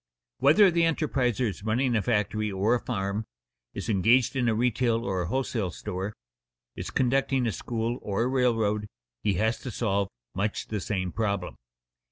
_ Whether the enterpriser is running a factory or a farm, is engaged in a retail or a wholesale store, is conducting a school, or a railroad, he has to solve much the same problem.